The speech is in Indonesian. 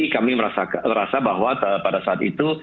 kami merasa bahwa pada saat itu